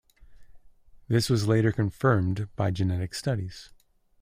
This was later confirmed by genetic studies.